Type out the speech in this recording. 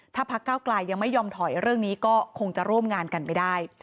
ถ้าพักเก้าไกลยังไม่ยอมถอยเรื่องนี้ก็คงจะร่วมงานกันไม่ได้